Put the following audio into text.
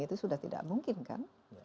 itu sudah tidak mungkin kan